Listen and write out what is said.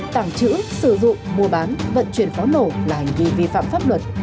dụng mua bán vận chuyển pháo nổ là hành vi vi phạm pháp luật